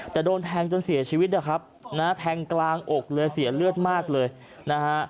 แต่โดนแทงจนเสียชีวิตนะครับนะฮะแทงกลางอกเลยเสียเลือดมากเลยนะฮะ